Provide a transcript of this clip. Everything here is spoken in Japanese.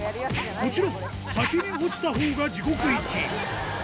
もちろん、先に落ちたほうが地獄行き。